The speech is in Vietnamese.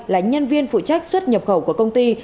là nhân viên phụ trách xuất nhập khẩu của công ty